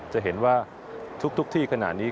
จะเห็นว่าทุกที่ขนาดนี้